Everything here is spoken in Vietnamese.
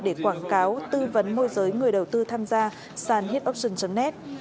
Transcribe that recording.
để quảng cáo tư vấn môi giới người đầu tư tham gia sàn hitoption net